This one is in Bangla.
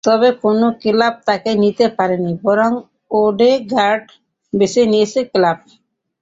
তবে কোনো ক্লাব তাঁকে নিতে পারেনি বরং ওডেগার্ডই বেছে নিয়েছেন ক্লাব।